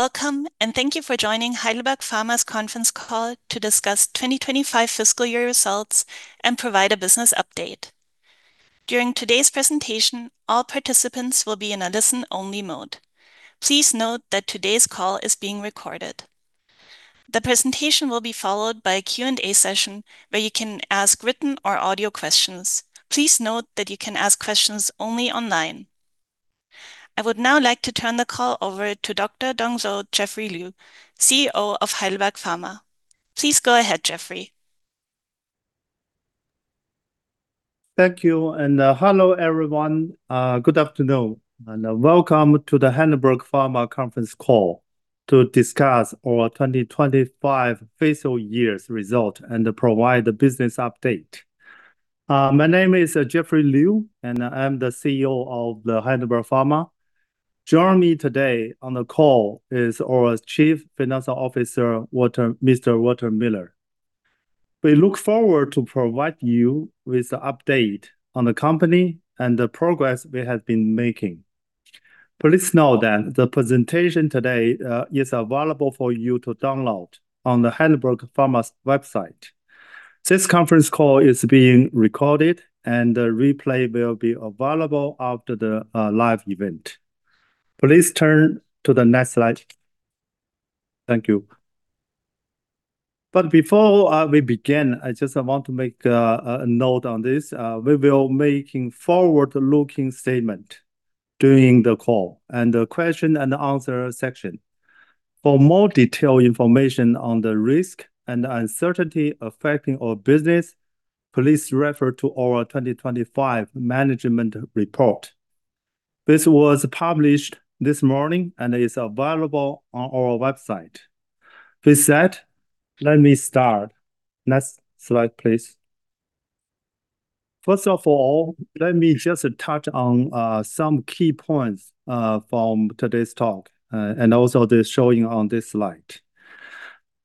Welcome and thank you for joining Heidelberg Pharma's conference call to discuss 2025 fiscal year results and provide a business update. During today's presentation, all participants will be in a listen-only mode. Please note that today's call is being recorded. The presentation will be followed by a Q&A session where you can ask written or audio questions. Please note that you can ask questions only online. I would now like to turn the call over to Dr. Dongzhou Jeffery Liu, CEO of Heidelberg Pharma. Please go ahead, Jeffrey. Thank you. Hello, everyone. Good afternoon, and welcome to the Heidelberg Pharma conference call to discuss our 2025 fiscal year's result and to provide the business update. My name is Jeffrey Liu, and I'm the CEO of Heidelberg Pharma. Joining me today on the call is our Chief Financial Officer Walter Miller. We look forward to provide you with an update on the company and the progress we have been making. Please know that the presentation today is available for you to download on the Heidelberg Pharma's website. This conference call is being recorded, and a replay will be available after the live event. Please turn to the next slide. Thank you. Before we begin, I just want to make a note on this. We will be making forward-looking statements during the call and the question and answer section. For more detailed information on the risks and uncertainties affecting our business, please refer to our 2025 management report. This was published this morning and is available on our website. That said, let me start. Next slide, please. First of all, let me just touch on some key points from today's talk and also they're shown on this slide.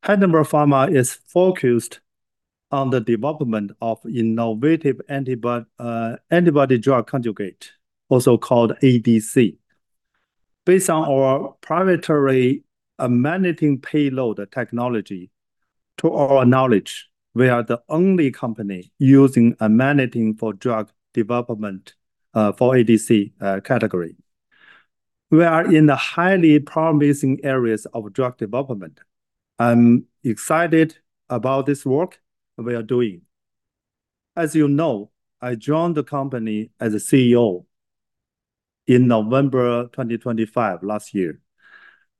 Heidelberg Pharma is focused on the development of innovative antibody drug conjugate, also called ADC. Based on our proprietary amanitin payload technology, to our knowledge, we are the only company using amanitin for drug development for ADC category. We are in the highly promising areas of drug development. I'm excited about this work we are doing. As you know, I joined the company as CEO in November 2025 last year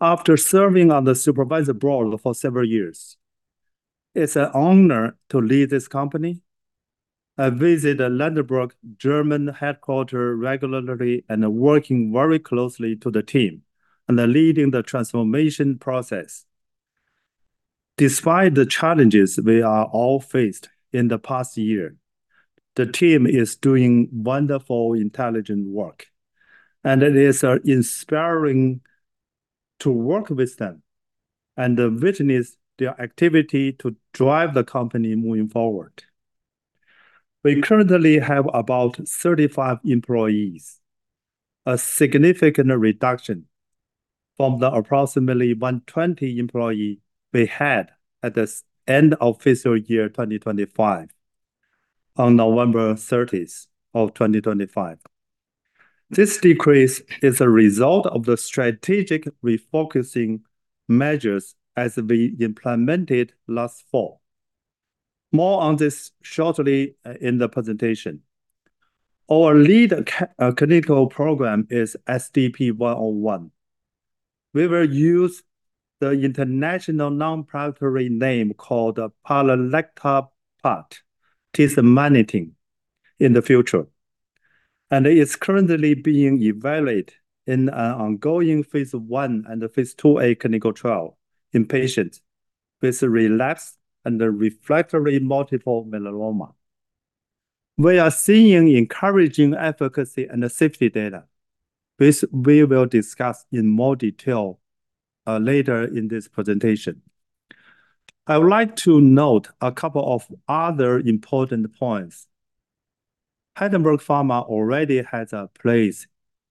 after serving on the Supervisory Board for several years. It's an honor to lead this company. I visit the Heidelberg German headquarters regularly and work very closely with the team and lead the transformation process. Despite the challenges we have all faced in the past year, the team is doing wonderful, intelligent work, and it is inspiring to work with them and to witness their activity to drive the company moving forward. We currently have about 35 employees, a significant reduction from the approximately 120 employees we had at the end of fiscal year 2025, on November 30th 2025. This decrease is a result of the strategic refocusing measures that we implemented last fall. More on this shortly in the presentation. Our lead clinical program is HDP-101. We will use the international non-proprietary name called pamlectabart tismanitin, in the future, and it is currently being evaluated in an ongoing phase I and a phase II-A clinical trial in patients with relapsed and refractory multiple myeloma. We are seeing encouraging efficacy and safety data, which we will discuss in more detail later in this presentation. I would like to note a couple of other important points. Heidelberg Pharma already has in place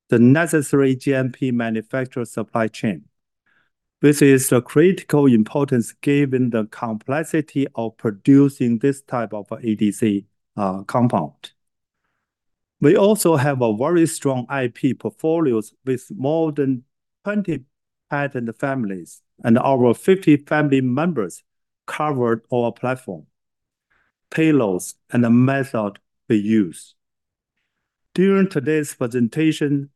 the necessary GMP manufacturer supply chain, which is of critical importance given the complexity of producing this type of ADC compound. We also have a very strong IP portfolios with more than 20 patent families and over 50 family members cover our platform, payloads and the method we use. During today's presentation,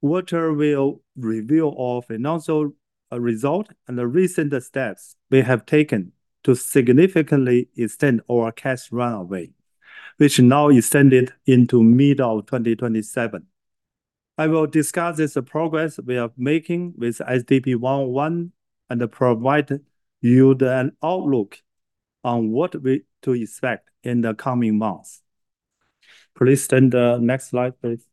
Walter will reveal our financial result and the recent steps we have taken to significantly extend our cash runway, which now extended into mid-2027. I will discuss the progress we are making with HDP-101 and provide you an outlook on what to expect in the coming months. Please turn to the next slide, please.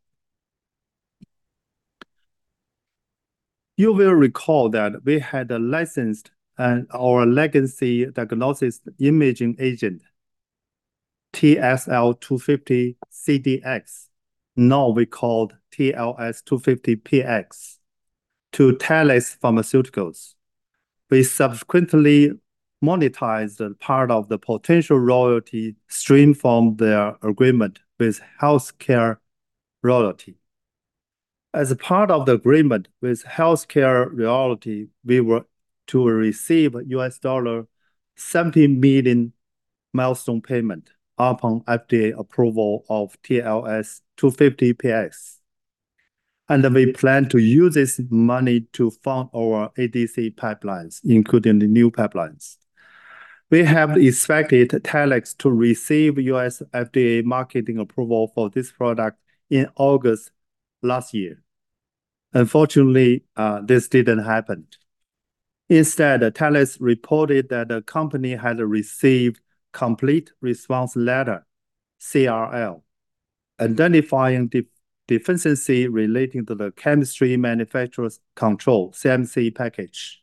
You will recall that we had licensed our legacy diagnostic imaging agent TLX250-CDx, now called TLX250-Px, to Telix Pharmaceuticals. We subsequently monetized a part of the potential royalty stream from their agreement with HealthCare Royalty. As a part of the agreement with HealthCare Royalty, we were to receive $70 million milestone payment upon FDA approval of TLX250-Px. Then we plan to use this money to fund our ADC pipelines, including the new pipelines. We have expected Telix to receive U.S. FDA marketing approval for this product in August last year. Unfortunately, this didn't happen. Instead, Telix reported that the company had received complete response letter, CRL, identifying deficiency relating to the chemistry, manufacturing, and controls CMC package.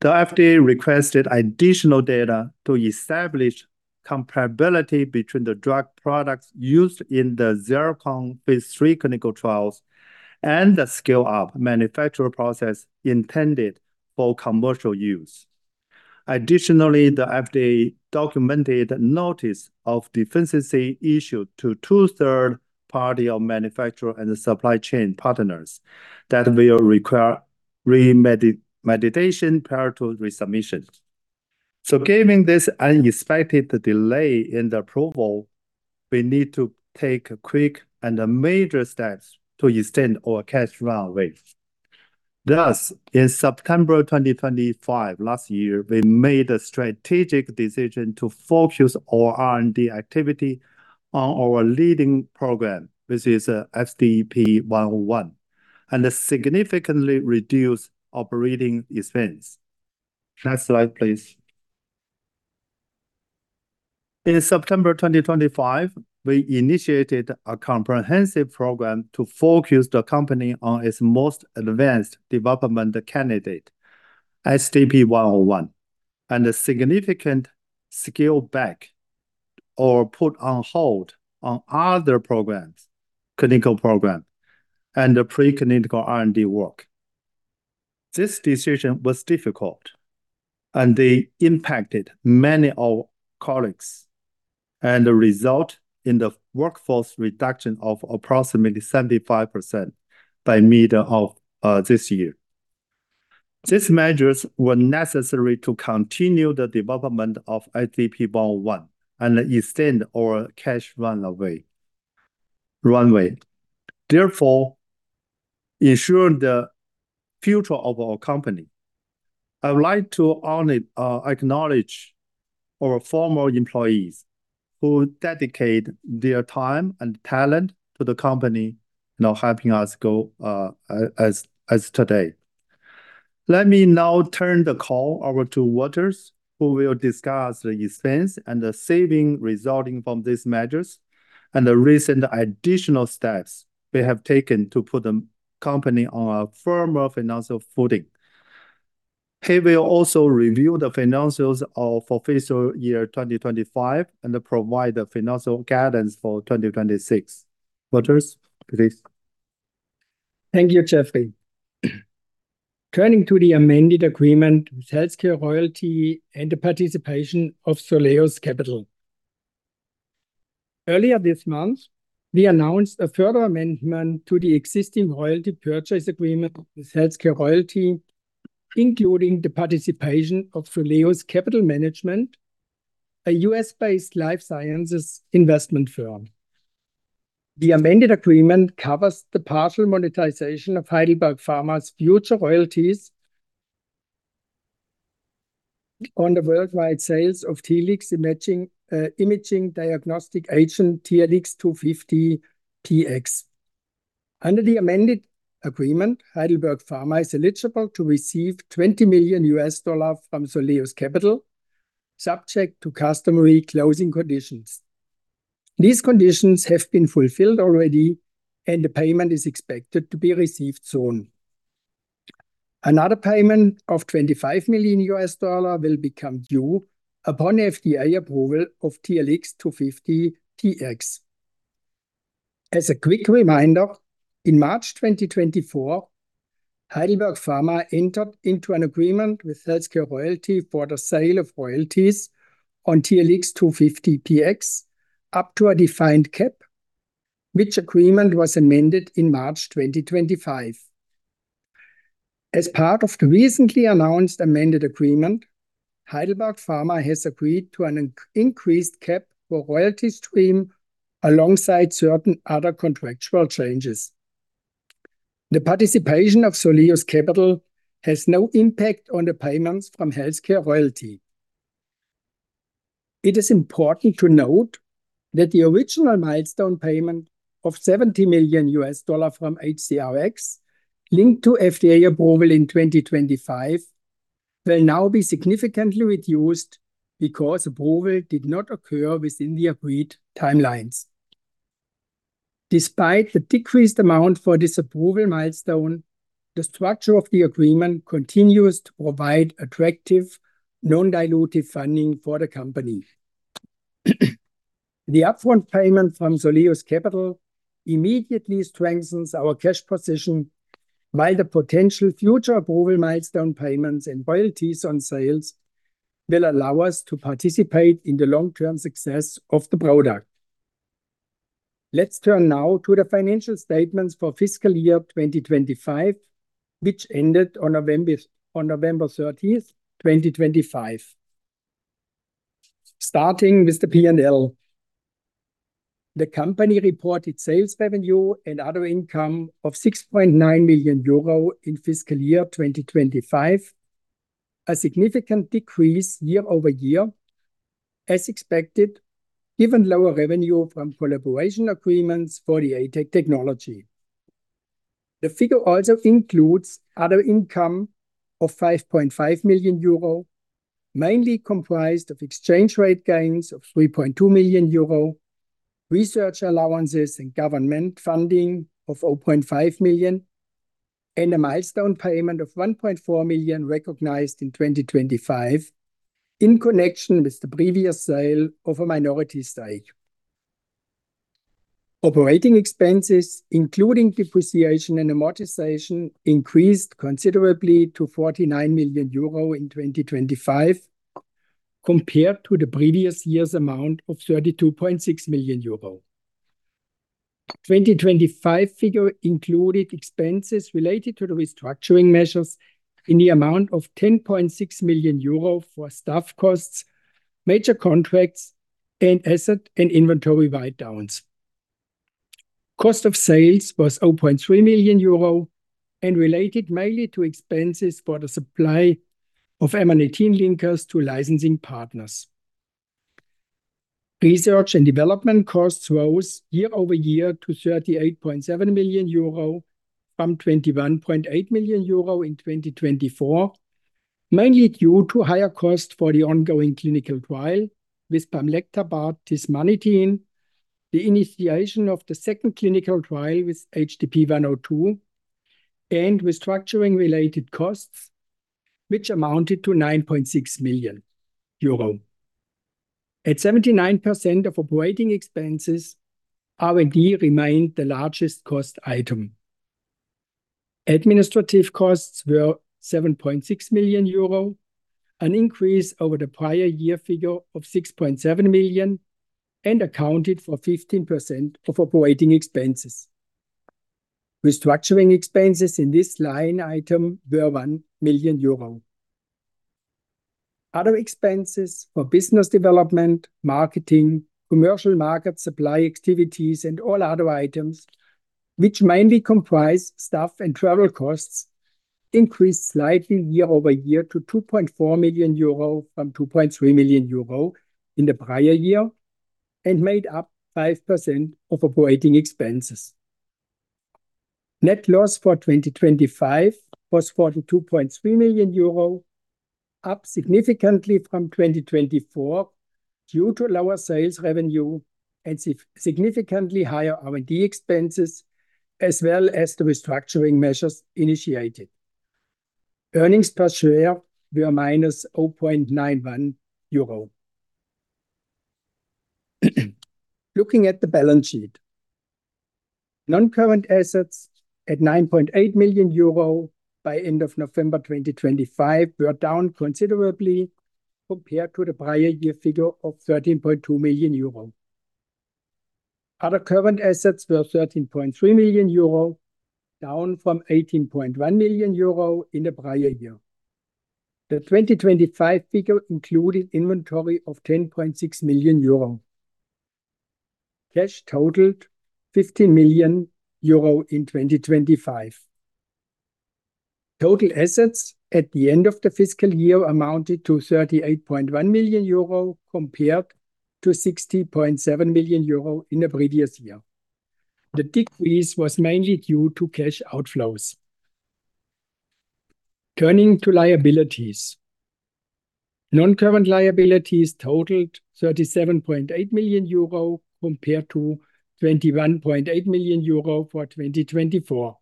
The FDA requested additional data to establish comparability between the drug products used in the ZIRCON phase III clinical trials and the scale-up manufacturing process intended for commercial use. Additionally, the FDA documented notice of deficiency issued to two third-party manufacturers and the supply chain partners that will require remediation prior to resubmission. Given this unexpected delay in the approval, we need to take quick and major steps to extend our cash runway. Thus, in September 2025, last year, we made a strategic decision to focus our R&D activity on our leading program, which is HDP-101, and significantly reduce operating expense. Next slide, please. In September 2025, we initiated a comprehensive program to focus the company on its most advanced development candidate, HDP-101, and a significant scale back or put on hold on other programs, clinical program, and the preclinical R&D work. This decision was difficult, and it impacted many of our colleagues, and resulting in the workforce reduction of approximately 75% by mid of this year. These measures were necessary to continue the development of HDP-101 and extend our cash runway. Therefore, to ensure the future of our company. I would like to honor... Acknowledge our former employees who dedicated their time and talent to the company now helping us go as of today. Let me now turn the call over to Walter, who will discuss the expenses and the savings resulting from these measures and the recent additional steps we have taken to put the company on a firmer financial footing. He will also review the financials for fiscal year 2025 and provide the financial guidance for 2026. Walter, please. Thank you, Jeffrey. Turning to the amended agreement with HealthCare Royalty and the participation of Soleus Capital. Earlier this month, we announced a further amendment to the existing royalty purchase agreement with HealthCare Royalty, including the participation of Soleus Capital Management, a U.S.-based life sciences investment firm. The amended agreement covers the partial monetization of Heidelberg Pharma's future royalties on the worldwide sales of Telix imaging diagnostic agent TLX250-Px. Under the amended agreement, Heidelberg Pharma is eligible to receive $20 million from Soleus Capital, subject to customary closing conditions. These conditions have been fulfilled already, and the payment is expected to be received soon. Another payment of $25 million will become due upon FDA approval of TLX250-Px. As a quick reminder, in March 2024, Heidelberg Pharma entered into an agreement with HealthCare Royalty for the sale of royalties on TLX250-Px up to a defined cap, which agreement was amended in March 2025. As part of the recently announced amended agreement, Heidelberg Pharma has agreed to an increased cap for royalty stream alongside certain other contractual changes. The participation of Soleus Capital has no impact on the payments from HealthCare Royalty. It is important to note that the original milestone payment of $70 million from HCRx linked to FDA approval in 2025 will now be significantly reduced because approval did not occur within the agreed timelines. Despite the decreased amount for this approval milestone, the structure of the agreement continues to provide attractive non-dilutive funding for the company. The upfront payment from Soleus Capital immediately strengthens our cash position while the potential future approval milestone payments and royalties on sales will allow us to participate in the long-term success of the product. Let's turn now to the financial statements for fiscal year 2025, which ended on November 30th 2025. Starting with the P&L. The company reported sales revenue and other income of 6.9 million euro in fiscal year 2025, a significant decrease year-over-year, as expected, given lower revenue from collaboration agreements for the ATAC technology. The figure also includes other income of 5.5 million euro, mainly comprised of exchange rate gains of 3.2 million euro, research allowances and government funding of 0.5 million, and a milestone payment of 1.4 million recognized in 2025 in connection with the previous sale of a minority stake. Operating expenses, including depreciation and amortization, increased considerably to 49 million euro in 2025 compared to the previous year's amount of 32.6 million euro. 2025 figure included expenses related to the restructuring measures in the amount of 10.6 million euro for staff costs, major contracts, and asset and inventory write-downs. Cost of sales was 0.3 million euro and related mainly to expenses for the supply of amanitin linkers to licensing partners. Research and development costs rose year-over-year to 38.7 million euro from 21.8 million euro in 2024, mainly due to higher cost for the ongoing clinical trial with pamlectabart tismanitin, the initiation of the second clinical trial with HDP-102, and restructuring related costs, which amounted to 9.6 million euro. At 79% of operating expenses, R&D remained the largest cost item. Administrative costs were 7.6 million euro, an increase over the prior year figure of 6.7 million, and accounted for 15% of operating expenses. Restructuring expenses in this line item were 1 million euro. Other expenses for business development, marketing, commercial market supply activities, and all other items, which mainly comprise staff and travel costs, increased slightly year over year to 2.4 million euro from 2.3 million euro in the prior year and made up 5% of operating expenses. Net loss for 2025 was 42.3 million euro, up significantly from 2024 due to lower sales revenue and significantly higher R&D expenses, as well as the restructuring measures initiated. Earnings per share were -0.91 euro. Looking at the balance sheet. Non-current assets at 9.8 million euro by end of November 2025 were down considerably compared to the prior year figure of 13.2 million euro. Other current assets were 13.3 million euro, down from 18.1 million euro in the prior year. The 2025 figure included inventory of 10.6 million euro. Cash totaled 15 million euro in 2025. Total assets at the end of the fiscal year amounted to 38.1 million euro compared to 60.7 million euro in the previous year. The decrease was mainly due to cash outflows. Turning to liabilities. Non-current liabilities totaled 37.8 million euro compared to 21.8 million euro for 2024.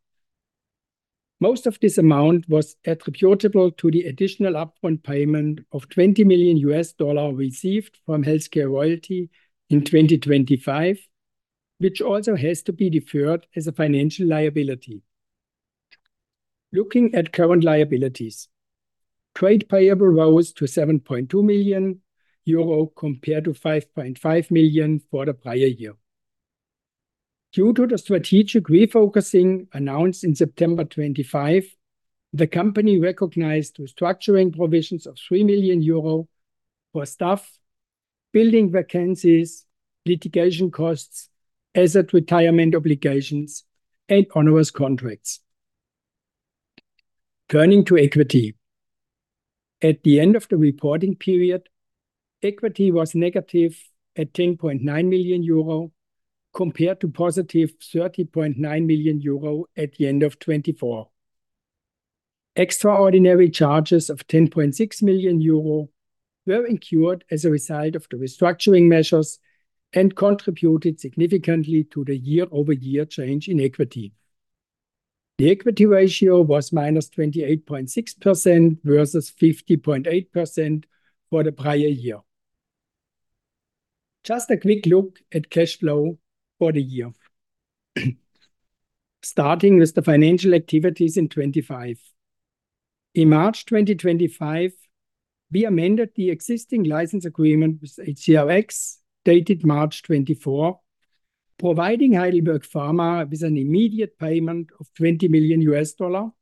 Most of this amount was attributable to the additional upfront payment of $20 million received from HealthCare Royalty in 2025, which also has to be deferred as a financial liability. Looking at current liabilities. Trade payables rose to 7.2 million euro compared to 5.5 million for the prior year. Due to the strategic refocusing announced in September 2025, the company recognized restructuring provisions of 3 million euro for staff, building vacancies, litigation costs, asset retirement obligations, and onerous contracts. Turning to equity. At the end of the reporting period, equity was negative at 10.9 million euro compared to 30.9+ million euro at the end of 2024. Extraordinary charges of 10.6 million euro were incurred as a result of the restructuring measures and contributed significantly to the year-over-year change in equity. The equity ratio was minus 28.6% versus 50.8% for the prior year. Just a quick look at cash flow for the year. Starting with the financial activities in 2025. In March 2025, we amended the existing license agreement with HCRx, dated March 2024, providing Heidelberg Pharma with an immediate payment of $20 million,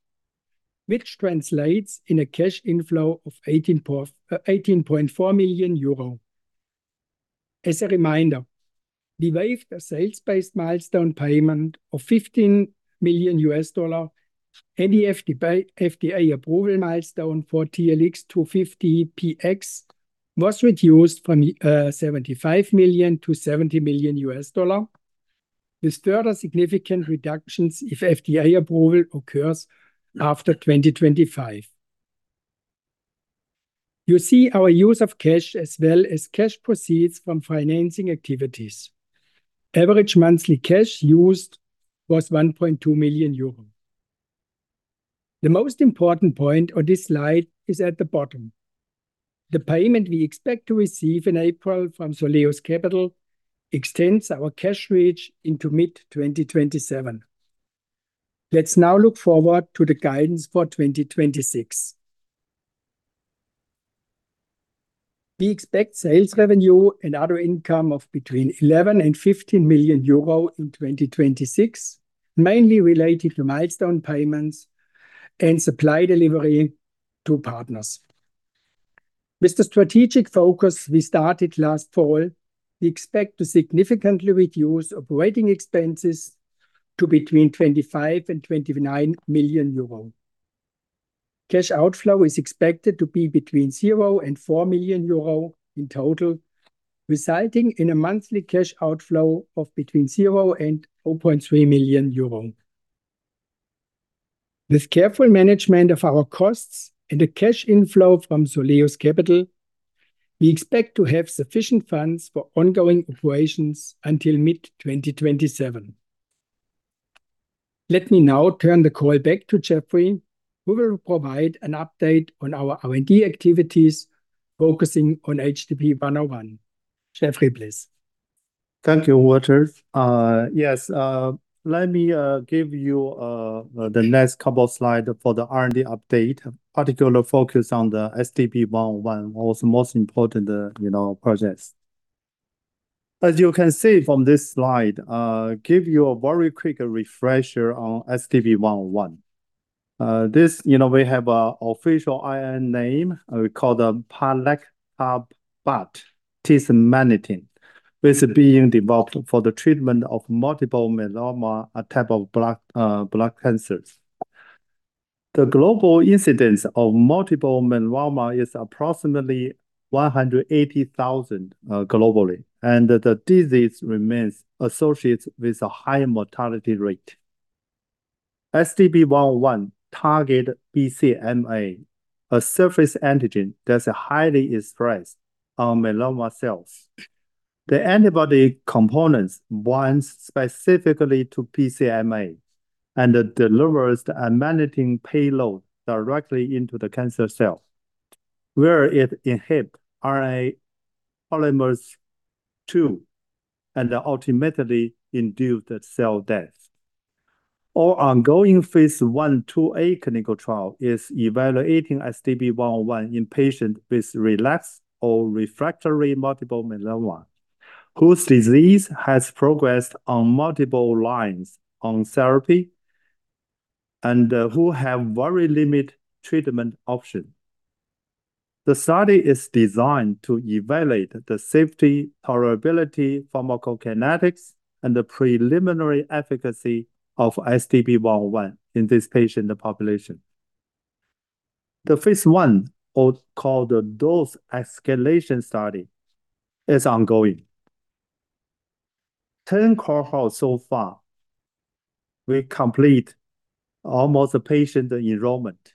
which translates in a cash inflow of 18.4 million euro. As a reminder, we waived a sales-based milestone payment of $15 million and the FDA approval milestone for TLX250-Px was reduced from $75 million to $70 million, with further significant reductions if FDA approval occurs after 2025. You see our use of cash as well as cash proceeds from financing activities. Average monthly cash used was 1.2 million euro. The most important point on this slide is at the bottom. The payment we expect to receive in April from Soleus Capital extends our cash reach into mid-2027. Let's now look forward to the guidance for 2026. We expect sales revenue and other income of between 11 million and 15 million euro in 2026, mainly related to milestone payments and supply delivery to partners. With the strategic focus we started last fall, we expect to significantly reduce operating expenses to between 25 million and 29 million euro. Cash outflow is expected to be between 0 million and 4 million euro in total, resulting in a monthly cash outflow of between 0 million euro and 0.3 million euro. With careful management of our costs and the cash inflow from Soleus Capital, we expect to have sufficient funds for ongoing operations until mid-2027. Let me now turn the call back to Jeffrey, who will provide an update on our R&D activities, focusing on HDP-101. Jeffrey, please. Thank you, Walter. Yes, let me give you the next couple slide for the R&D update, particular focus on the HDP-101, our most important, you know, projects. As you can see from this slide, give you a very quick refresher on HDP-101. This, you know, we have an official INN. We call it pamlectabart tismanitin, which is being developed for the treatment of multiple myeloma, a type of blood cancers. The global incidence of multiple myeloma is approximately 180,000 globally, and the disease remains associated with a high mortality rate. HDP-101 target BCMA, a surface antigen that's highly expressed on myeloma cells. The antibody components binds specifically to BCMA and delivers the amanitin payload directly into the cancer cell, where it inhibit RNA polymerase II and ultimately induce the cell death. Our ongoing phase I-A, II-A clinical trial is evaluating HDP-101 in patients with relapsed or refractory multiple myeloma, whose disease has progressed on multiple lines of therapy and who have very limited treatment options. The study is designed to evaluate the safety, tolerability, pharmacokinetics, and the preliminary efficacy of HDP-101 in this patient population. The phase I, also called the dose escalation study, is ongoing. 10 cohorts so far, we have completed almost complete patient enrollment.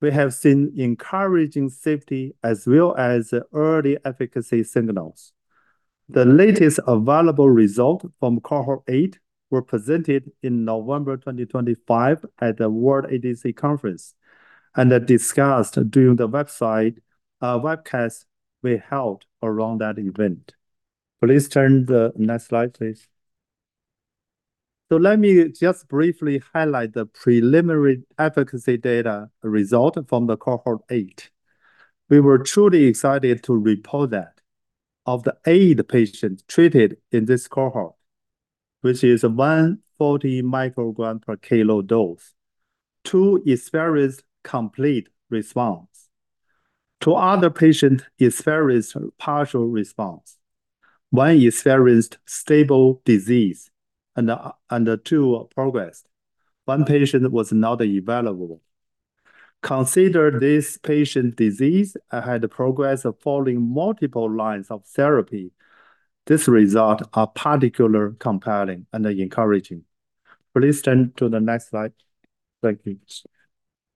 We have seen encouraging safety as well as early efficacy signals. The latest available result from Cohort 8 were presented in November 2025 at the World ADC Conference and discussed during the webcast we held around that event. Please turn the next slide, please. Let me just briefly highlight the preliminary efficacy data result from the Cohort 8. We were truly excited to report that of the eight patients treated in this cohort, which is 140 microgram per kilo dose, two experienced complete response. two other patients experienced partial response. One experienced stable disease and two progressed. One patient was not available. Consider, these patients' disease had progressed following multiple lines of therapy. These results are particularly compelling and encouraging. Please turn to the next slide. Thank you.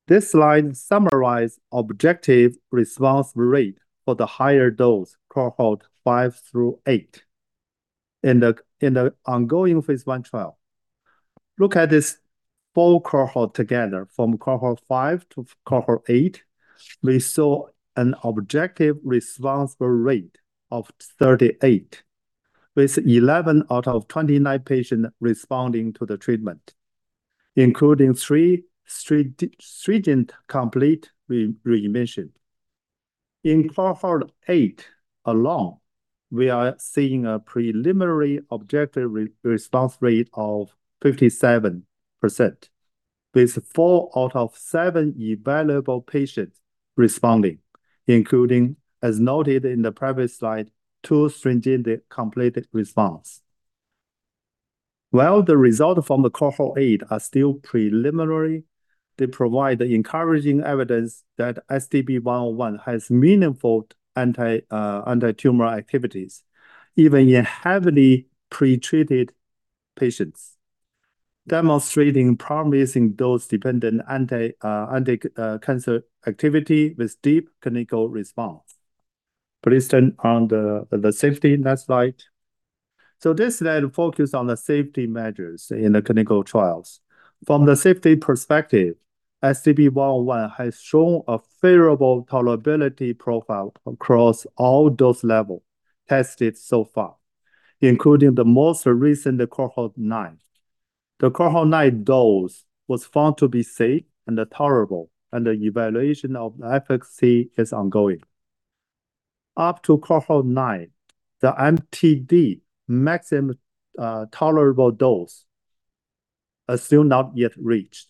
This slide summarizes objective response rate for the higher dose Cohort 5 through Cohort 8 in the ongoing phase I trial. Look at this full cohort together. From Cohort 5 to Cohort 8, we saw an objective response rate of 38%, with 11 out of 29 patients responding to the treatment, including three stringent complete remission. In Cohort 8 alone, we are seeing a preliminary objective response rate of 57%, with four out of seven evaluable patients responding, including, as noted in the previous slide, two stringent complete response. While the result from the cohort eight are still preliminary, they provide encouraging evidence that HDP-101 has meaningful anti, antitumor activities even in heavily pre-treated patients, demonstrating promising dose-dependent anti-cancer activity with deep clinical response. Please turn on the safety. Next slide. This slide focus on the safety measures in the clinical trials. From the safety perspective, HDP-101 has shown a favorable tolerability profile across all dose level tested so far, including the most recent Cohort 9. The Cohort 9 dose was found to be safe and tolerable, and the evaluation of efficacy is ongoing. Up to Cohort 9, the MTD, maximum tolerable dose, are still not yet reached.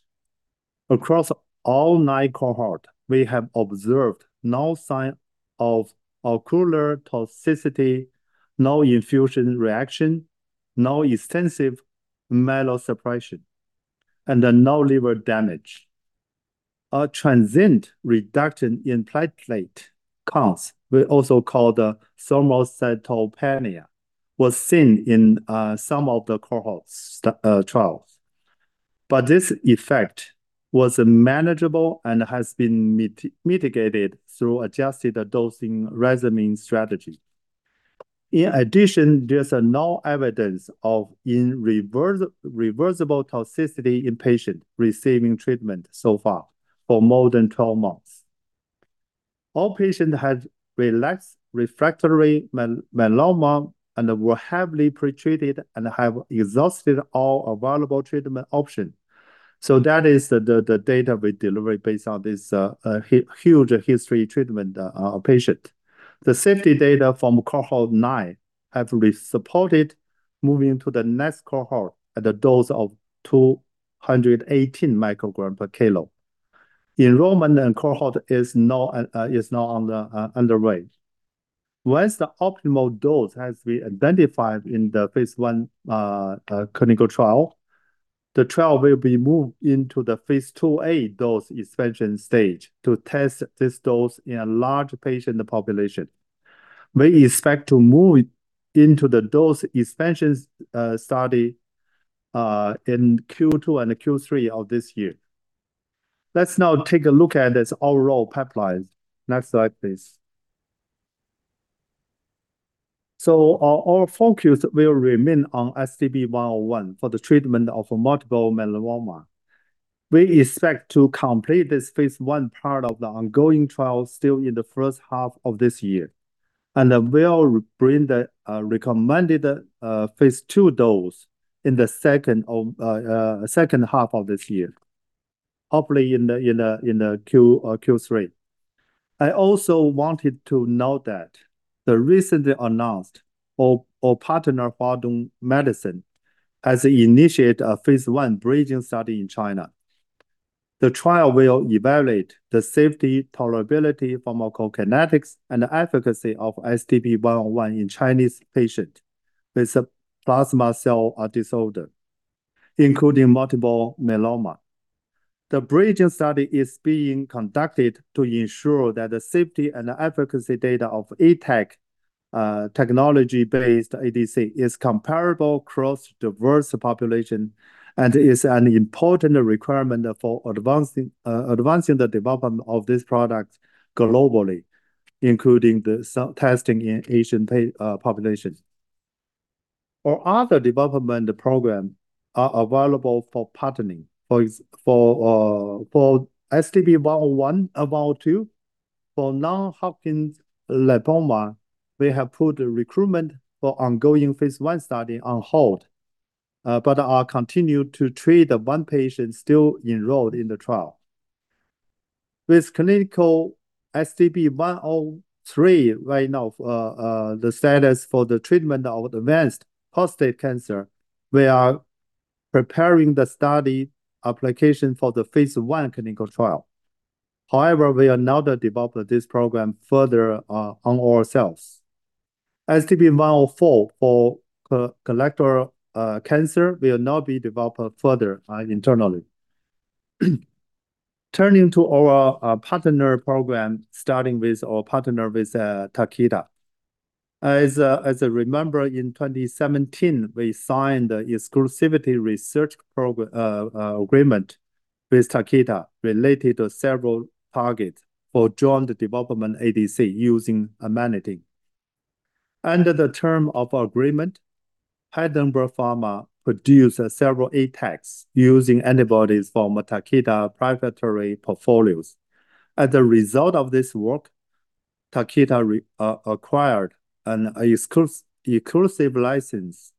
Across all nine cohorts, we have observed no sign of ocular toxicity, no infusion reaction, no extensive marrow suppression, and no liver damage. A transient reduction in platelet counts, we also call the thrombocytopenia, was seen in some of the cohorts trials. This effect was manageable and has been mitigated through adjusted dosing regimen strategy. In addition, there's no evidence of irreversible toxicity in patients receiving treatment so far for more than 12 months. All patients had relapsed refractory multiple myeloma and were heavily pre-treated and have exhausted all available treatment options. That is the data we deliver based on this huge history treatment patient. The safety data from Cohort 9 have re-supported moving to the next cohort at a dose of 218 micrograms per kilo. Enrollment in cohort is now underway. Once the optimal dose has been identified in the phase I clinical trial, the trial will be moved into the phase II-A dose expansion stage to test this dose in a large patient population. We expect to move into the dose expansion study in Q2 and Q3 of this year. Let's now take a look at this overall pipeline. Next slide, please. Our focus will remain on HDP-101 for the treatment of multiple myeloma. We expect to complete this phase I part of the ongoing trial still in the first half of this year, and then we'll bring the recommended phase II dose in the second half of this year. Hopefully in Q3. I also wanted to note that our recently announced partner Huadong Medicine has initiated a phase I bridging study in China. The trial will evaluate the safety, tolerability, pharmacokinetics, and efficacy of HDP-101 in Chinese patients with a plasma cell disorder, including multiple myeloma. The bridging study is being conducted to ensure that the safety and efficacy data of ATAC technology-based ADC is comparable across diverse populations and is an important requirement for advancing the development of this product globally, including testing in Asian populations. Our other development programs are available for partnering. For HDP-101, 102 for non-Hodgkin lymphoma, we have put recruitment for ongoing phase I study on hold, but are continuing to treat the one patient still enrolled in the trial. With HDP-103 right now, the status for the treatment of advanced prostate cancer, we are preparing the study application for the phase I clinical trial. However, we are now developing this program further on our own. HDP-104 for colorectal cancer will now be developed further internally. Turning to our partner programs, starting with our partner Takeda. As you remember, in 2017, we signed the exclusivity research agreement with Takeda related to several targets for joint development ADC using amanitin. Under the terms of the agreement, Heidelberg Pharma produced several ATACs using antibodies from Takeda's proprietary portfolios. As a result of this work, Takeda acquired an exclusivity license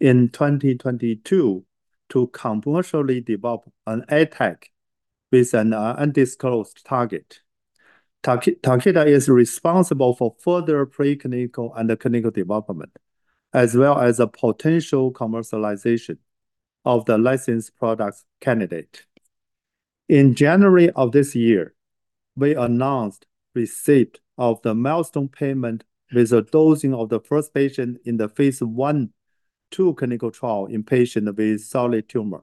in 2022 to commercially develop an ATAC with an undisclosed target. Takeda is responsible for further preclinical and clinical development, as well as the potential commercialization of the licensed product candidate. In January of this year, we announced receipt of the milestone payment with the dosing of the first patient in the phase I, II clinical trial in patients with solid tumors.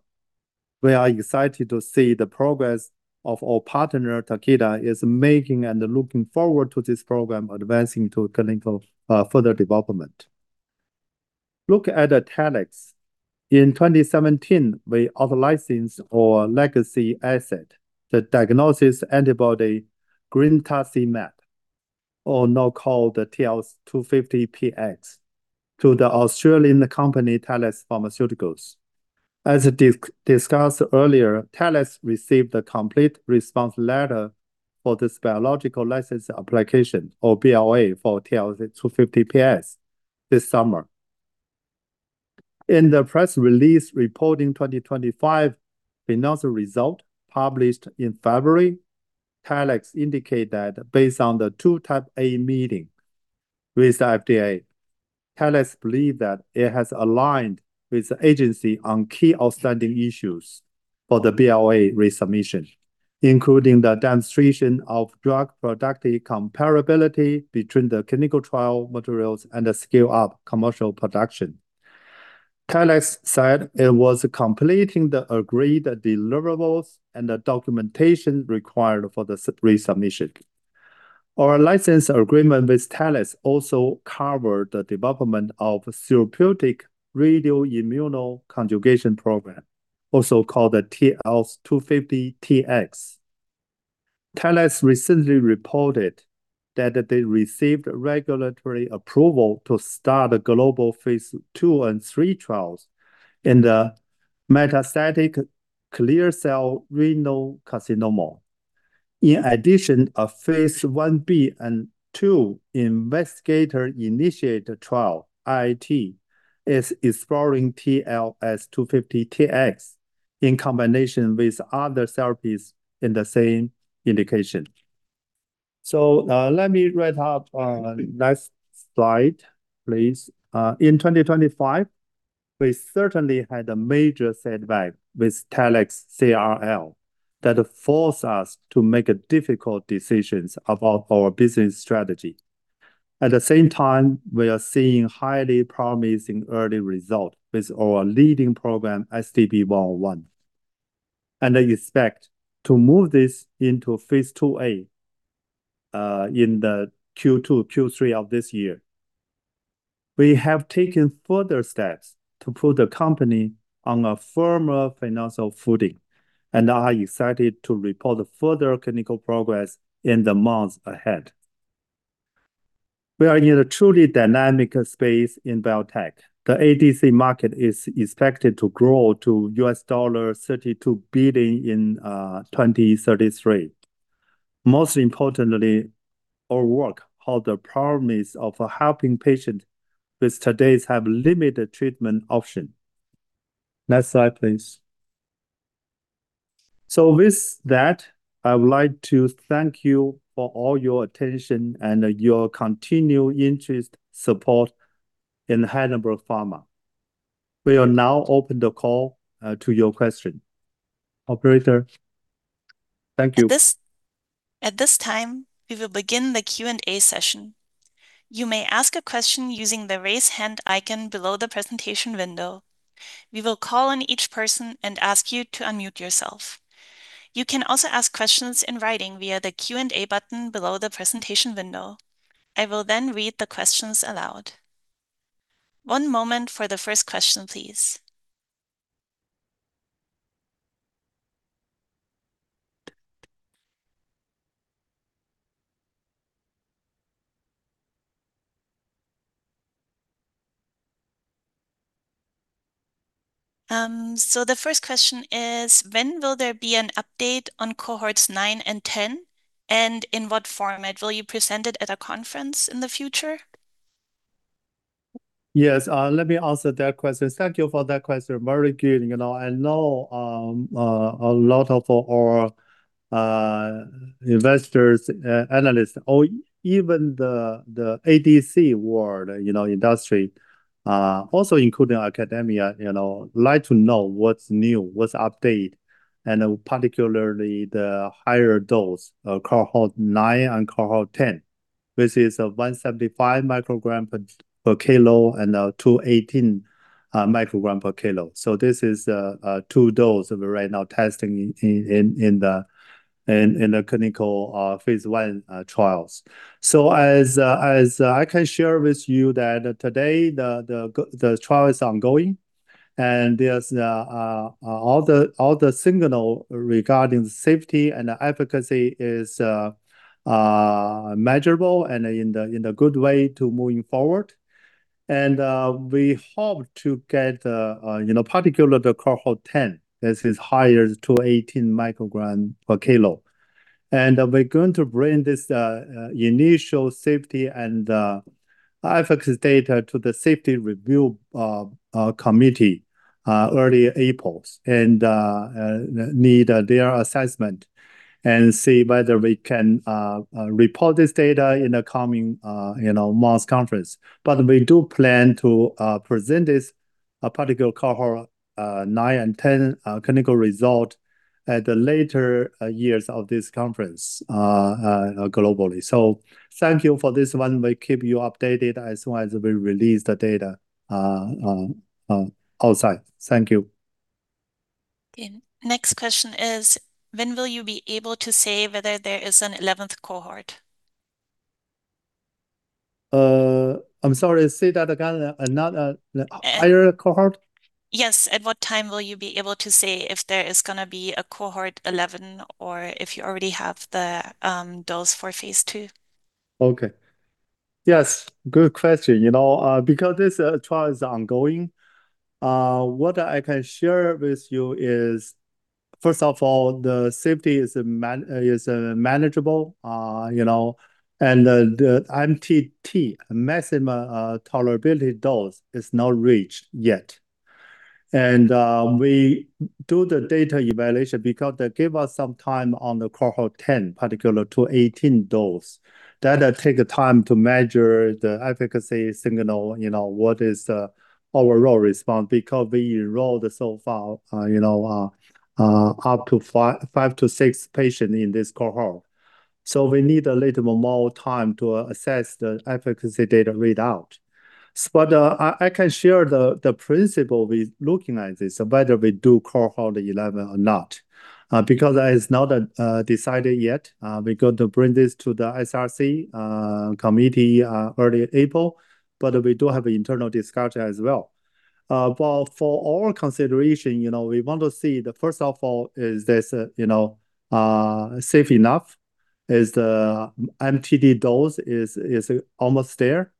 We are excited to see the progress of our partner Takeda is making and looking forward to this program advancing to further clinical development. Look at the Telix. In 2017, we licensed our legacy asset, the diagnostic antibody girentuximab, or now called the TLX250-Px, to the Australian company, Telix Pharmaceuticals. As discussed earlier, Telix received a complete response letter for this biologics license application or BLA for TLX250-Px this summer. In the press release reported in 2025, announced the results published in February, Telix indicates that based on the two Type A meetings with the FDA, Telix believes that it has aligned with the agency on key outstanding issues for the BLA resubmission, including the demonstration of drug product comparability between the clinical trial materials and the scale-up commercial production. Telix said it was completing the agreed deliverables and the documentation required for the resubmission. Our license agreement with Telix also covered the development of therapeutic radioimmunoconjugate program, also called the TLX250-Px. Telix recently reported that they received regulatory approval to start the global phase II and III trials in the metastatic clear cell renal cell carcinoma. In addition, a phase I-B and II investigator-initiated trial, IIT, is exploring TLX250-Px in combination with other therapies in the same indication. Let me bring up the next slide, please. In 2025, we certainly had a major setback with Telix CRL that forced us to make difficult decisions about our business strategy. At the same time, we are seeing highly promising early result with our leading program, HDP-101, and I expect to move this into phase II-A in the Q2, Q3 of this year. We have taken further steps to put the company on a firmer financial footing and are excited to report further clinical progress in the months ahead. We are in a truly dynamic space in biotech. The ADC market is expected to grow to $32 billion in 2033. Most importantly, our work holds the promise of helping patients who today have limited treatment options. Next slide, please. With that, I would like to thank you for all your attention and your continued interest and support in Heidelberg Pharma. We will now open the call to your questions. Operator. Thank you. At this time, we will begin the Q&A session. You may ask a question using the raise hand icon below the presentation window. We will call on each person and ask you to unmute yourself. You can also ask questions in writing via the Q&A button below the presentation window. I will then read the questions aloud. One moment for the first question, please. The first question is, When will there be an update on Cohorts 9 and 10, and in what format will you present it at a conference in the future? Yes. Let me answer that question. Thank you for that question. Very good. You know, I know a lot of our investors, analysts or even the ADC world, you know, industry, also including academia, you know, like to know what's new, what's update, and particularly the higher dose Cohort 9 and Cohort 10. This is 175 microgram per kilo and 218 microgram per kilo. This is two dose that we're right now testing in the clinical phase I trials. As I can share with you that today the trial is ongoing, and there's all the signal regarding safety and efficacy is measurable and in a good way to moving forward. We hope to get, you know, particularly the Cohort 10. This is higher, 218 microgram per kilo. We're going to bring this initial safety and efficacy data to the safety review committee early April. We need their assessment and see whether we can report this data in the coming, you know, months conference. We do plan to present this particularly Cohort 9 and 10 clinical result at the later years of this conference globally. Thank you for this one. We'll keep you updated as well as we release the data outside. Thank you. Okay. Next question is, "When will you be able to say whether there is an 11th cohort? I'm sorry, say that again. Another, higher cohort? Yes. At what time will you be able to say if there is gonna be a Cohort 11 or if you already have the dose for phase II? Okay. Yes, good question. You know, because this trial is ongoing, what I can share with you is, first of all, the safety is manageable. You know, the MTD, maximum tolerated dose, is not reached yet. We do the data evaluation because that gives us some time on the Cohort 10, particularly 218 dose. That'll take the time to measure the efficacy signal, you know, what is overall response because we enroll so far, you know, up to five-six patients in this cohort. We need a little more time to assess the efficacy data readout. I can share the principle with looking at this, so whether we do Cohort 11 or not. Because that is not decided yet, we're going to bring this to the SRC committee early April, but we do have internal discussion as well. But for our consideration, you know, we want to see that, first of all, is this, you know, safe enough? Is the MTD dose almost there?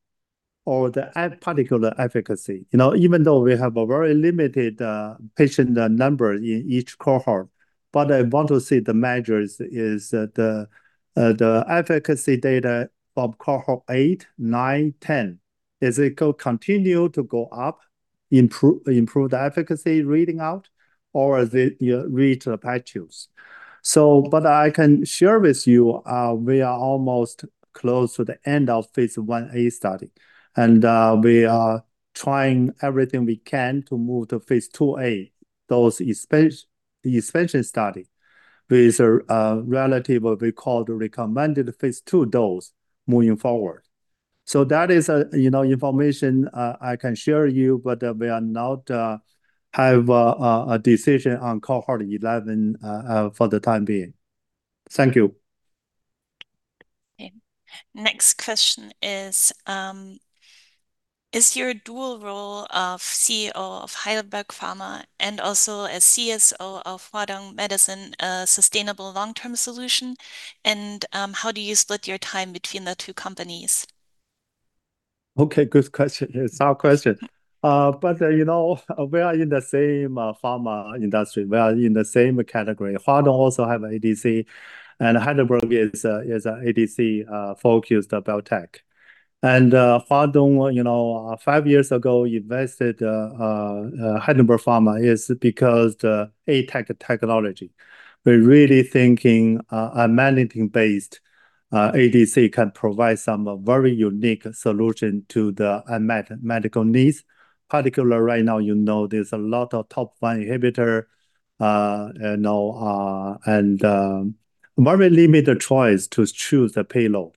Or the particular efficacy. You know, even though we have a very limited patient number in each cohort, but I want to see whether the efficacy data of Cohort 8, 9, 10. Is it continue to go up, improve the efficacy readout, or is it, you know, reach a plateau? But I can share with you, we are almost close to the end of phase I-A study. We are trying everything we can to move to phase II-A. The expansion study with relative what we call the recommended phase II dose moving forward. That is, you know, information I can share you, but we are not have a decision on Cohort 11 for the time being. Thank you. Okay. Next question is, "Is your dual role of CEO of Heidelberg Pharma and also as CSO of Huadong Medicine a sustainable long-term solution? And, how do you split your time between the two companies? Okay, good question. It's a hard question. You know, we are in the same pharma industry. We are in the same category. Huadong also have ADC, and Heidelberg is a ADC focused biotech. Huadong, you know, five years ago invested Heidelberg Pharma because the ATAC technology. We're really thinking an amanitin-based ADC can provide some very unique solution to the unmet medical needs. Particularly right now, you know, there's a lot of Top1 inhibitor, you know, and very limited choice to choose the payload.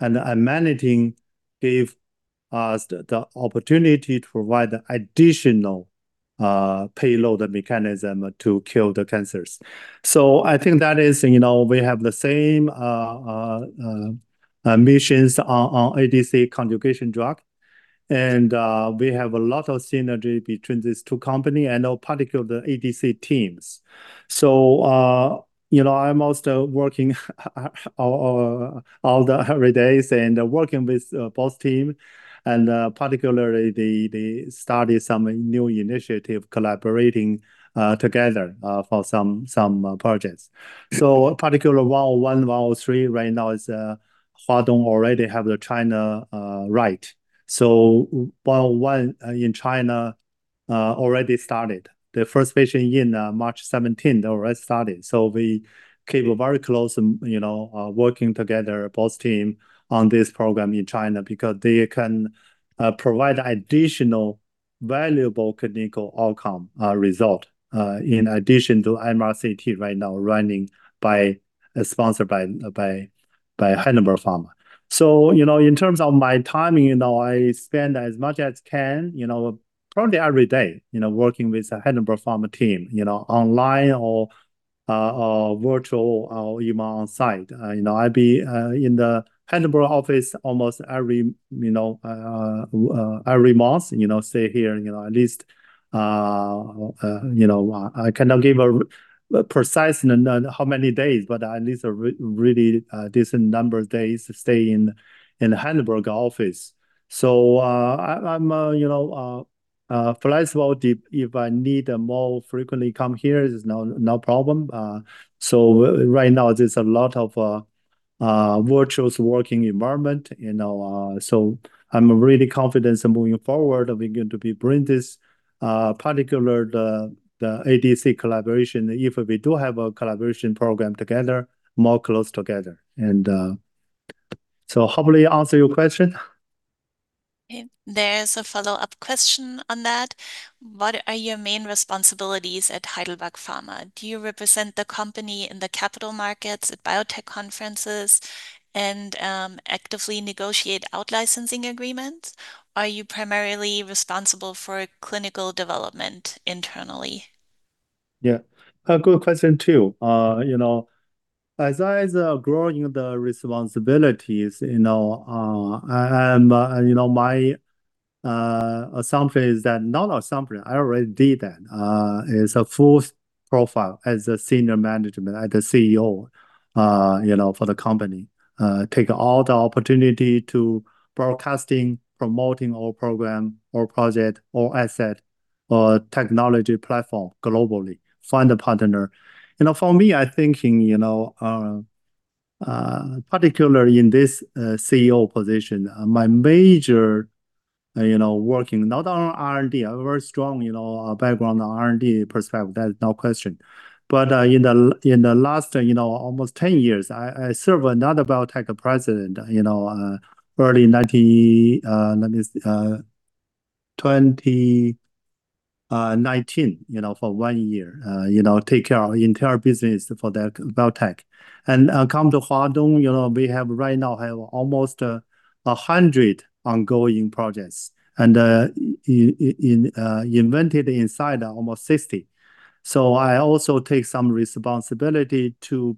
And amanitin gives us the opportunity to provide additional payload and mechanism to kill the cancers. I think that is, you know, we have the same missions on ADC conjugate drug. We have a lot of synergy between these two companies and in particular the ADC teams. You know, I'm also working every day and working with both teams, and particularly they started some new initiatives collaborating together for some projects. In particular 101, 103 right now, Huadong already has the China rights. 101 in China already started. The first patient in March 17, they already started. We keep very close and, you know, working together both teams on this program in China because they can provide additional valuable clinical outcome results in addition to MRCT right now running, sponsored by Heidelberg Pharma. You know, in terms of my timing, you know, I spend as much as I can, you know, probably every day, you know, working with the Heidelberg Pharma team, you know, online or virtually or even on site. You know, I'd be in the Heidelberg office almost every month, you know. I stay here at least, you know, I cannot give a precise number on how many days, but at least a really decent number of days to stay in the Heidelberg office. I'm flexible if I need to more frequently come here. There's no problem. Right now there's a lot of virtual working environment, you know, so I'm really confident in moving forward and we're going to be bringing this particular, the ADC collaboration, if we do have a collaboration program together, more close together. Hopefully answer your question. There's a follow-up question on that. What are your main responsibilities at Heidelberg Pharma? Do you represent the company in the capital markets at biotech conferences and actively negotiate out licensing agreements? Are you primarily responsible for clinical development internally? Yeah. A good question, too. You know, as I'm growing the responsibilities, you know, my assumption is that, not assumption, I already did that, is a full profile as a senior management, as a CEO, you know, for the company. Take all the opportunity to broadcasting, promoting our program or project or asset or technology platform globally. Find a partner. You know, for me, I think in, you know, particularly in this CEO position, my major, you know, working not on R&D. I have a very strong, you know, background on R&D perspective. There's no question. In the last, you know, almost 10 years, I served as president of another biotech, you know, early 90, let me see, 2019, you know, for one year. You know, took care of our entire business for that biotech. Come to Huadong, you know, we have right now almost 100 ongoing projects and inventions inside are almost 60. I also take some responsibility to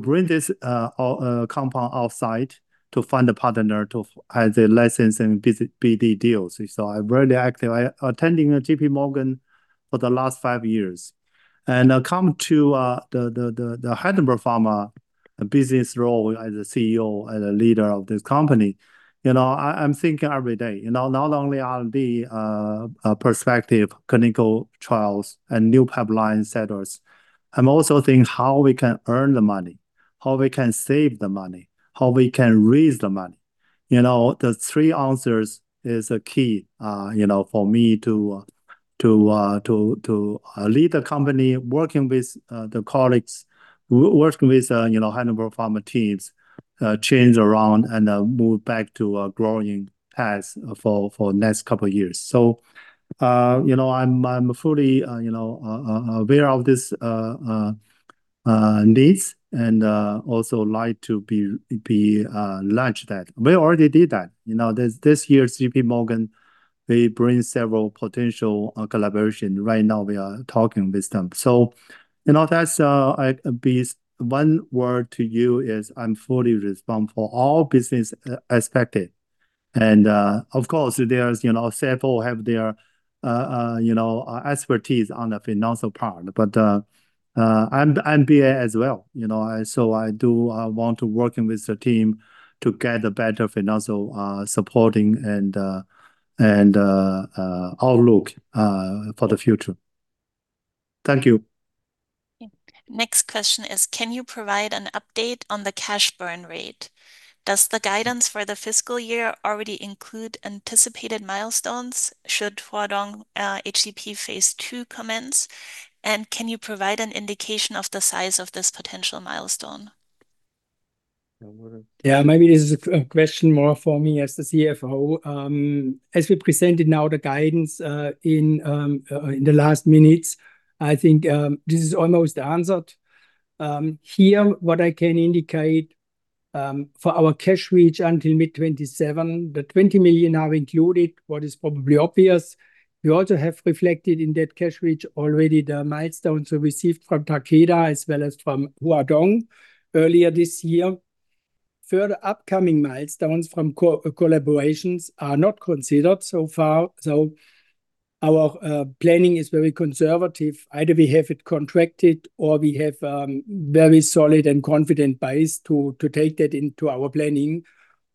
bring this compound outside to find a partner to add the license and BD deals. I'm very active. I attend a JPMorgan for the last five years. Come to the Heidelberg Pharma business role as a CEO and a leader of this company. You know, I'm thinking every day, you know, not only R&D perspective, clinical trials and new pipeline assets. I'm also thinking how we can earn the money, how we can save the money, how we can raise the money. You know, the three answers is a key, you know, for me to lead the company, working with the colleagues, working with you know, Heidelberg Pharma teams, turnaround and move back to a growing path for next couple of years. You know, I'm fully you know aware of this needs and also like to launch that. We already did that. You know, this year's JPMorgan, they bring several potential collaboration. Right now we are talking with them. You know, that's this one word to you is I'm fully responsible, all business expected. Of course, there's you know, CFO have their expertise on the financial part. I'm CEO as well, you know. I do want to work with the team to get a better financial support and outlook for the future. Thank you. Next question is, can you provide an update on the cash burn rate? Does the guidance for the fiscal year already include anticipated milestones should Huadong HDP phase II commence? And can you provide an indication of the size of this potential milestone? Maybe this is a question more for me as the CFO. As we presented the guidance in the last minutes, I think this is almost answered. Here what I can indicate for our cash runway until mid-2027, the 20 million are included, what is probably obvious. We also have reflected in that cash runway already the milestones we received from Takeda as well as from Huadong earlier this year. Further upcoming milestones from collaborations are not considered so far, so our planning is very conservative. Either we have it contracted or we have very solid and confident base to take that into our planning.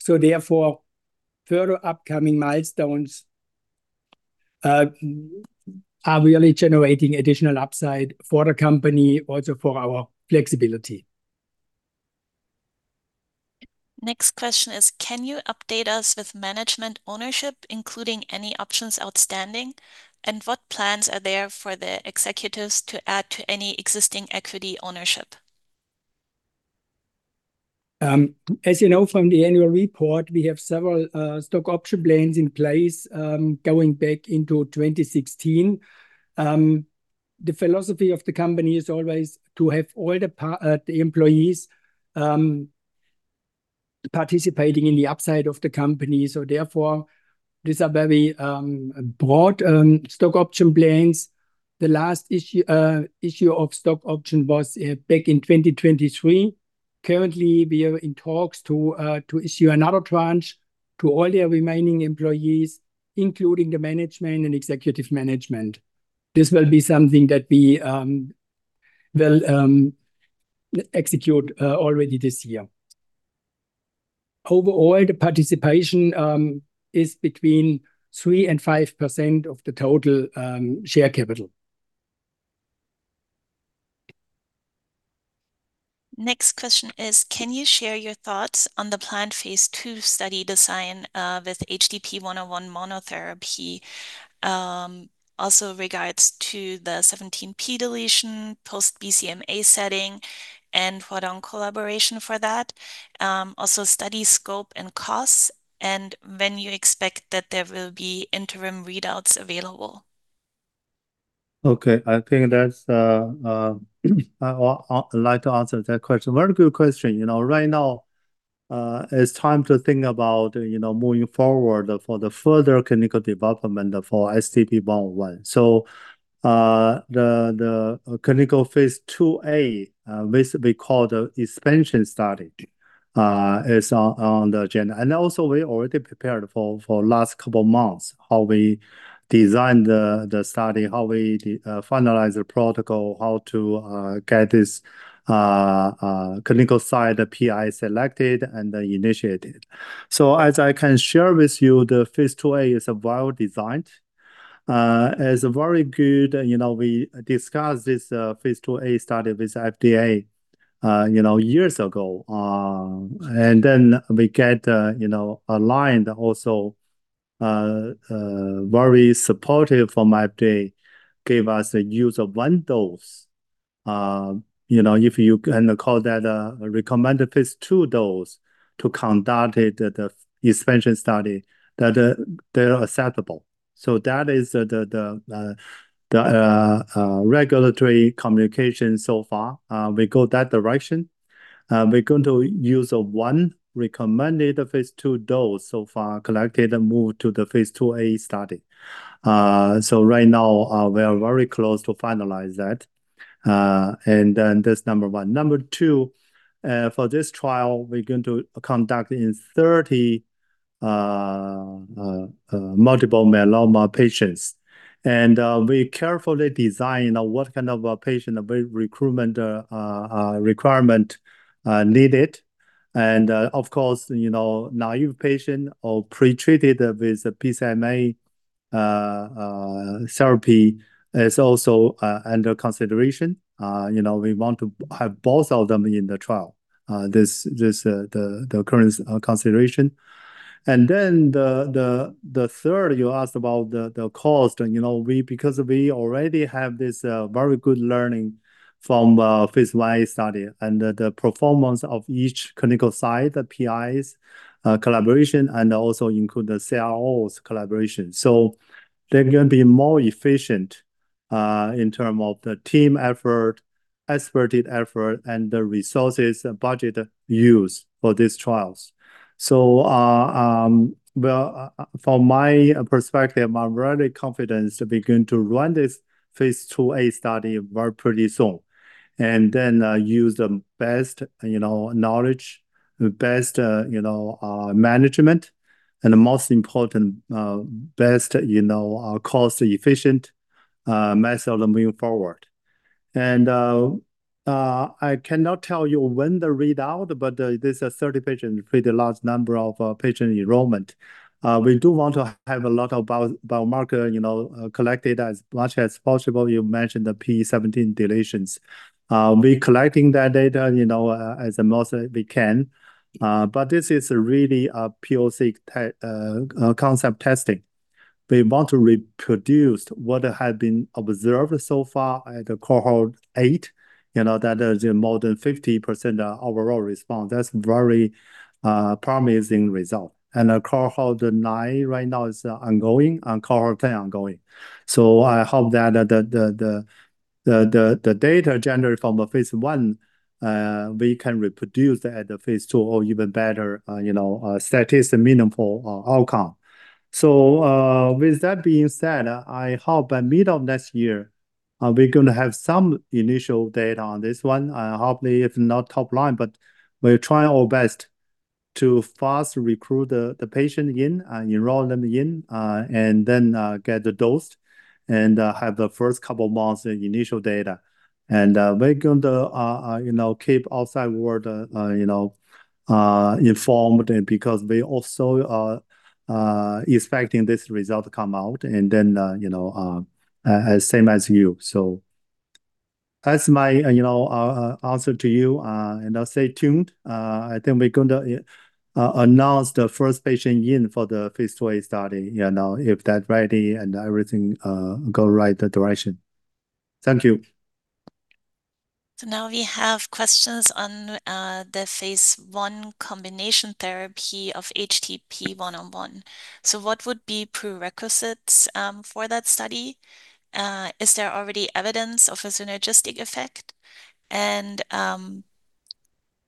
Therefore, further upcoming milestones are really generating additional upside for the company, also for our flexibility. Next question is, can you update us with management ownership, including any options outstanding? What plans are there for the executives to add to any existing equity ownership? As you know from the annual report, we have several stock option plans in place, going back into 2016. The philosophy of the company is always to have all the employees participating in the upside of the company. Therefore, these are very broad stock option plans. The last issue of stock option was back in 2023. Currently, we are in talks to issue another tranche to all the remaining employees, including the management and executive management. This will be something that we will execute already this year. Overall, the participation is between 3%-5% of the total share capital. Next question is, can you share your thoughts on the planned phase II study design with HDP-101 monotherapy? Also regards to the 17p deletion, post-BCMA setting, and ongoing collaboration for that. Also study scope and costs, and when you expect that there will be interim readouts available? Okay. I think that's, I'd like to answer that question. Very good question. You know, right now, it's time to think about, you know, moving forward for the further clinical development for HDP-101. The clinical phase II-A, which we call the expansion study, is on the agenda. Also, we already prepared for last couple months how we design the study, how we finalize the protocol, how to get this clinical site PI selected and initiated. As I can share with you, the phase II-A is well-designed. Is very good. You know, we discussed this phase II-A study with FDA, you know, years ago. Then we get, you know, aligned also very supportive from FDA, gave us the use of one dose. You know, if you can call that recommended phase II dose to conduct it at the expansion study that they're acceptable. That is the regulatory communication so far. We go that direction. We're going to use one recommended phase II dose so far collected and move to the phase II-A study. Right now, we are very close to finalize that. Then that's number one. Number two, for this trial, we're going to conduct in 30 multiple myeloma patients. We carefully design what kind of a patient recruitment requirement needed. Of course, you know, naive patient or pre-treated with BCMA therapy is also under consideration. You know, we want to have both of them in the trial. This is the current consideration. Then the third you asked about, the cost. You know, we, because we already have this very good learning from phase I study and the performance of each clinical site, the PIs collaboration, and also including the CROs collaboration. So they're gonna be more efficient in terms of the team effort, expert effort, and the resources and budget used for these trials. From my perspective, I'm really confident we're going to run this phase II-A study very pretty soon. Use the best knowledge, the best management, and the most important best cost-efficient method of moving forward. I cannot tell you when the readout, but this is 30 patient, pretty large number of patient enrollment. We do want to have a lot of biomarker, you know, collected as much as possible. You mentioned the 17p deletions. We're collecting that data, you know, as much as we can. But this is really a POC concept testing. We want to reproduce what had been observed so far at the Cohort 8, you know, that is more than 50% overall response. That's very promising result. The Cohort 9 right now is ongoing, and Cohort 10 ongoing. I hope that the data generated from the phase I, we can reproduce at the phase II or even better, you know, statistically meaningful outcome. With that being said, I hope by middle of next year, we're gonna have some initial data on this one. Hopefully, if not top line, but we'll try our best to fast recruit the patient in and enroll them in, and then get them dosed and have the first couple of months of initial data. We're going to, you know, keep the outside world, you know, informed because we also are expecting this result to come out and then, you know, same as you. That's my, you know, answer to you. Now stay tuned. I think we're gonna announce the first patient in for the phase II-A study, you know, if that ready and everything go right direction. Thank you. Now we have questions on the phase I combination therapy of HDP-101. What would be prerequisites for that study? Is there already evidence of a synergistic effect? And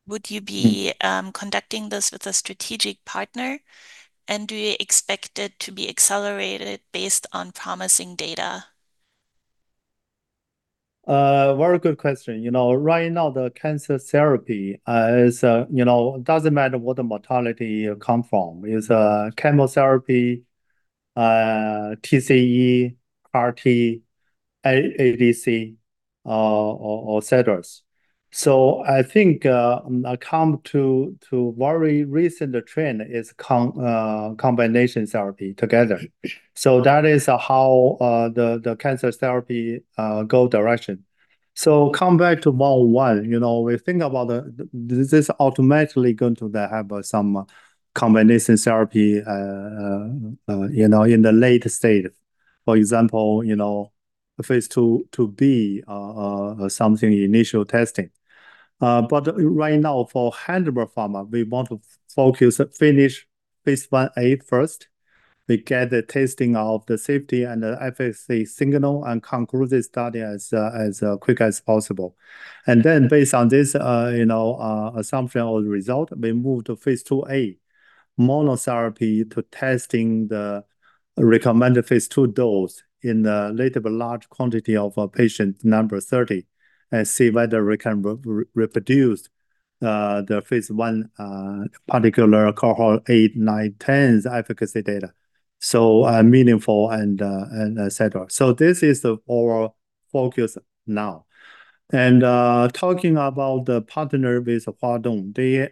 would you be conducting this with a strategic partner? And do you expect it to be accelerated based on promising data? Very good question. You know, right now, the cancer therapy is, you know, doesn't matter what the mortality come from, is chemotherapy, TCE, RT, ADC, or et cetera. I think, come to very recent trend is combination therapy together. That is how the cancer therapy go direction. Come back to one. You know, we think about this is automatically going to have some combination therapy, you know, in the later stage. For example, you know, phase II to be something initial testing. Right now, for Heidelberg Pharma, we want to focus, finish phase I-A first. We get the testing of the safety and the FSA signal and conclusive study as quick as possible. Based on this, you know, assumption or result, we move to phase II-A monotherapy to testing the recommended phase II dose in a little bit large quantity of patients, number 30 and see whether we can reproduce the phase I particular Cohort 8, 9, 10s efficacy data, so meaningful and et cetera. This is our focus now. Talking about the partner with Huadong, they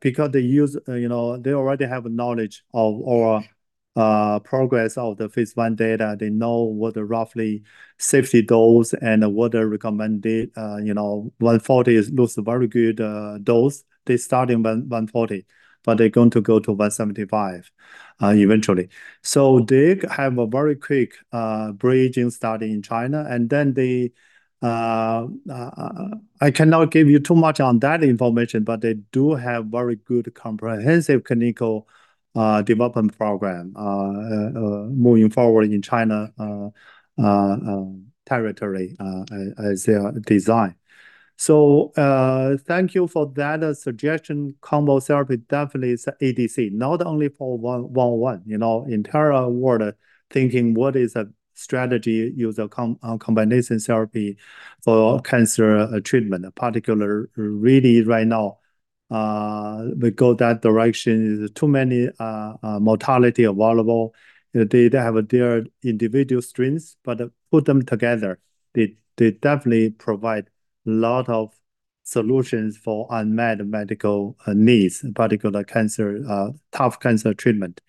because they use, you know, they already have knowledge of our progress of the phase I data. They know what the roughly safety dose and what the recommended, you know, 140 is looks very good dose. They start in 110, but they're going to go to 175 eventually. They have a very quick bridging study in China. I cannot give you too much on that information, but they do have very good comprehensive clinical development program moving forward in China territory as designed. Thank you for that suggestion. Combo therapy definitely is ADC, not only for one. You know, entire world thinking what is a strategy use a combination therapy for cancer treatment. In particular, really right now, we go that direction. There's too many modality available. They have their individual strengths, but put them together, they definitely provide lot of solutions for unmet medical needs, in particular cancer tough cancer treatment.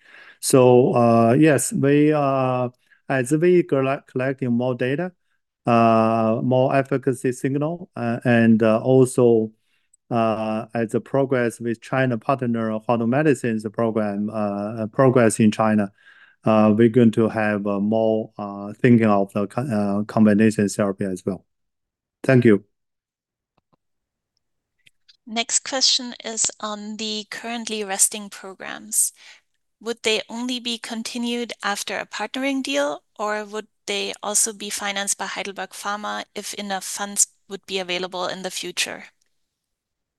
Yes, we are collecting more data, more efficacy signal, and also as the progress with China partner Huadong Medicine's program in China, we're going to have more thinking of the combination therapy as well. Thank you. Next question is on the currently resting programs. Would they only be continued after a partnering deal, or would they also be financed by Heidelberg Pharma if enough funds would be available in the future?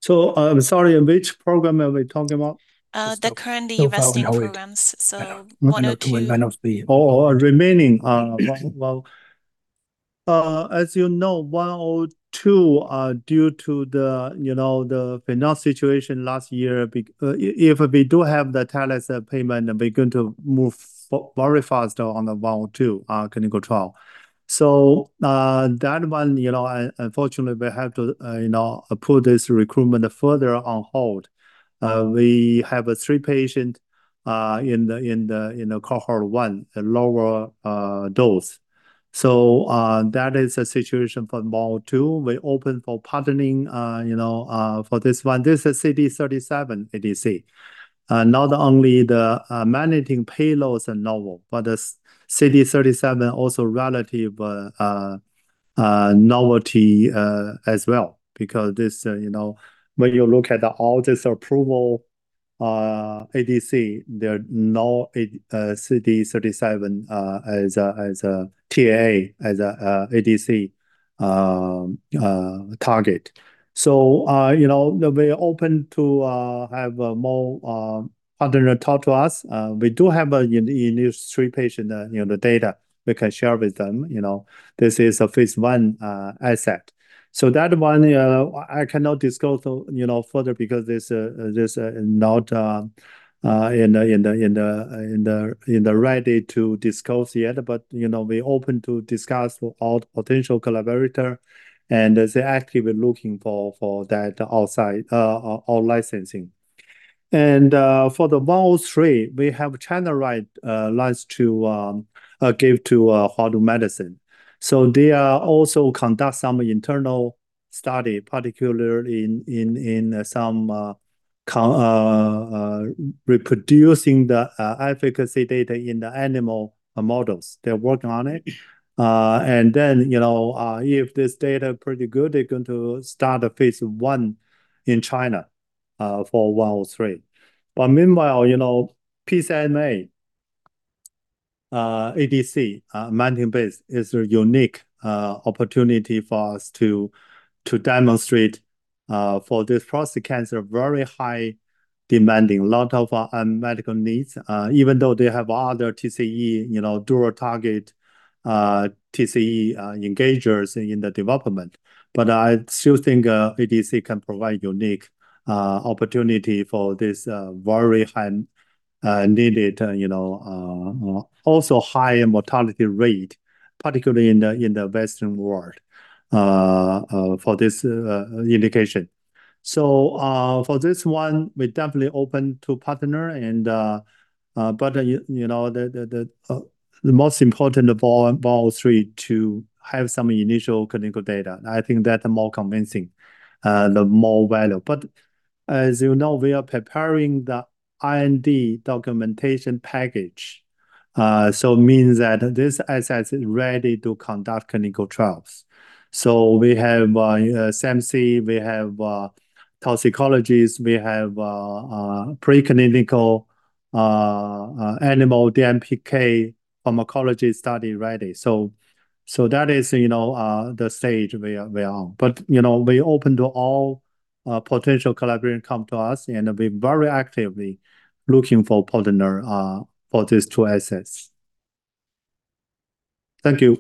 Sorry, which program are we talking about? The current R&D programs, so one or two. Regarding the remaining one, well. As you know, 102, due to you know, the financing situation last year, if we do have the Telix payment, we're going to move very fast on the 102 clinical trial. That one, you know, unfortunately, we have to you know, put the recruitment further on hold. We have three patients in the Cohort 1, a lower dose. That is the situation for 102. We're open for partnering, you know, for this one. This is CD37 ADC. Not only the amanitin payloads are novel, but the CD37 also relatively novel as well. Because this, you know, when you look at all these ADC approvals, there are no CD37 as a TA, ADC target. So, you know, we are open to have more partners talk to us. We do have in these three patients, you know, the data we can share with them. You know, this is a phase I asset. So that one, I cannot discuss, you know, further because this is not ready to discuss yet. But, you know, we're open to discuss with all potential collaborators. As I actively looking for that outside out-licensing. For the 103, we have China right, license to give to Huadong Medicine. They also conduct some internal study, particularly reproducing the efficacy data in the animal models. They're working on it. You know, if this data pretty good, they're going to start a phase I in China for 103. Meanwhile, you know, PSMA ADC, amanitin-based is a unique opportunity for us to demonstrate for this prostate cancer, very high demand in, lot of medical needs. Even though they have other TCE, you know, dual target TCE engagers in the development. I still think ADC can provide unique opportunity for this very high needed, you know, also high mortality rate, particularly in the Western world, for this indication. For this one, we're definitely open to partner and, you know, the most important of all three to have some initial clinical data. I think that more convincing, the more value. As you know, we are preparing the IND documentation package, so means that this asset's ready to conduct clinical trials. We have CMC, we have toxicologists, we have preclinical animal DMPK pharmacology study ready. That is, you know, the stage we are. You know, we're open to all potential collaborators who come to us, and we're very actively looking for partners for these two assets. Thank you.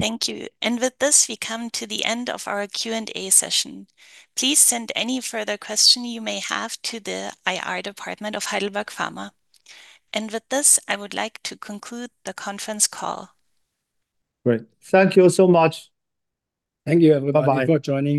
Thank you. With this, we come to the end of our Q&A session. Please send any further question you may have to the IR department of Heidelberg Pharma. With this, I would like to conclude the conference call. Great. Thank you so much. Thank you, everybody. Bye-bye Thank you for joining.